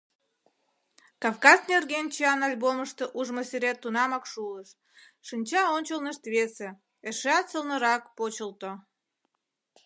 Кавказ нерген чиян альбомышто ужмо сӱрет тунамак шулыш, шинча ончылнышт весе, эшеат сылнырак, почылто.